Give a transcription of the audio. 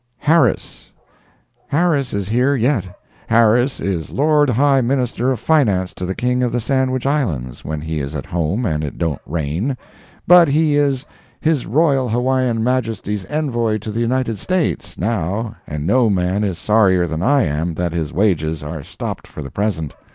] Harris. Harris is here yet. Harris is Lord High Minister of Finance to the King of the Sandwich Islands when he is at home and it don't rain. But he is "His Royal Hawaiian Majesty's Envoy to the United States" now, and no man is sorrier than I am that his wages are stopped for the present.